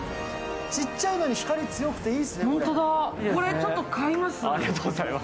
ちっちゃいのに光強くいいですね。